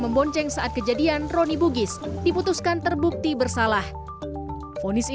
membonceng saat kejadian roni bugis diputuskan terbukti bersalah fonisi